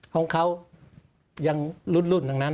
ของเขายังรุ่นทั้งนั้น